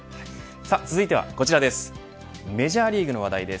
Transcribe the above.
続いてはこちらです。